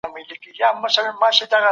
که ته هره ورځ پیزا خورې نو وزن دې زیاتېږي.